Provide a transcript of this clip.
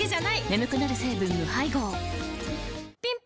眠くなる成分無配合ぴん